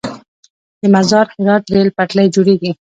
د مزار - هرات ریل پټلۍ جوړیږي؟